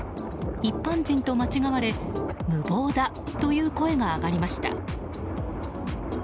一般人と間違われ無謀だという声が上がりました。